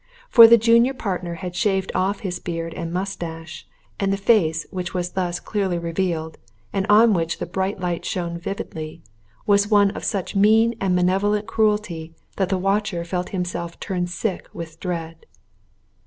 For the junior partner had shaved off his beard and moustache, and the face which was thus clearly revealed, and on which the bright light shone vividly, was one of such mean and malevolent cruelty that the watcher felt himself turn sick with dread.